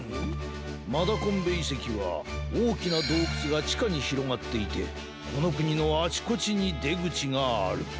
マダコンベいせきはおおきなどうくつがちかにひろがっていてこのくにのあちこちにでぐちがある。